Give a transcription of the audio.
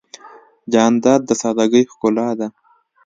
جانداد د سادګۍ ښکلا ده.